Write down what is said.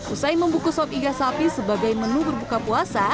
usai membungkus sop iga sapi sebagai menu berbuka puasa